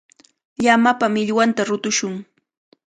Llamapa millwanta rutushun.